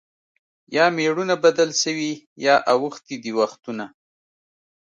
یا مېړونه بدل سوي یا اوښتي دي وختونه